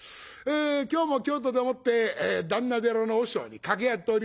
今日も今日とでもって檀那寺の和尚に掛け合っておりましてね。